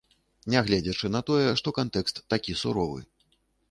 Нягледзячы на тое, што кантэкст такі суровы.